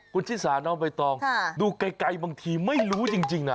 คุณชิสาน้องใบตองดูไกลบางทีไม่รู้จริงนะ